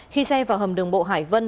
khi xe vào hầm đường bộ hải vân